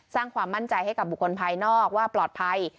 สร้างความมั่นใจให้กับบุคคลภายนอกว่าปลอดภัย